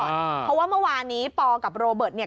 เพราะว่าเมื่อวานนี้ปกับโรเบิร์ตเนี่ย